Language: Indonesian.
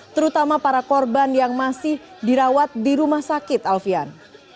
terutama para korban yang masih dirawat di rumah sakit alfian